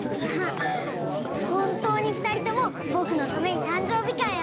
ほんとうにふたりともぼくのためにたんじょうびかいをありがとう。